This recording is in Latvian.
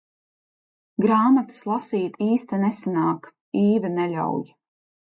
Grāmatas lasīt īsti nesanāk, Īve neļauj.